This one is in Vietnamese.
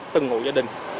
từng hộ gia đình